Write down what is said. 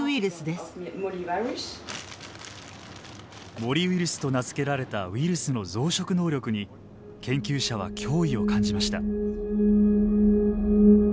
モリウイルスと名付けられたウイルスの増殖能力に研究者は脅威を感じました。